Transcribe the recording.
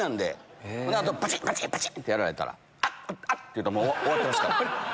ていうたらもう終わってますから。